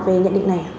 về nhận định này